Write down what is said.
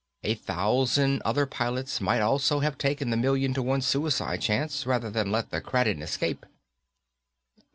A thousand other pilots might also have taken the million to one suicide chance rather than let the Kraden escape."